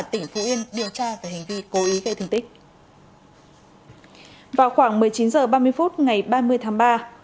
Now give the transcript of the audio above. tỉnh phú yên điều tra về hành vi cố ý gây thương tích vào khoảng một mươi chín h ba mươi phút ngày ba mươi tháng ba